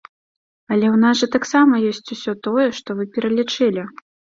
Але у нас жа таксама ёсць усё тое, што вы пералічылі!